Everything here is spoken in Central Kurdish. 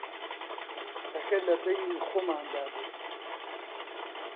قسەکە لە بەینی خۆماندا بێ: